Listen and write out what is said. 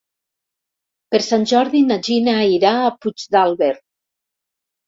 Per Sant Jordi na Gina irà a Puigdàlber.